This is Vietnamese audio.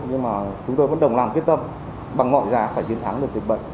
nhưng mà chúng tôi vẫn đồng lòng quyết tâm bằng mọi giá phải chiến thắng được dịch bệnh